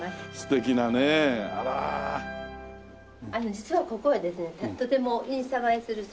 実はここはですねとてもインスタ映えするスポットで。